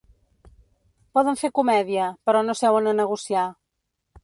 Poden fer comèdia, però no seuen a negociar.